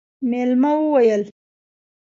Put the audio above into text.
مېلمه وويل: